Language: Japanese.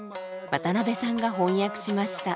渡部さんが「翻訳」しました。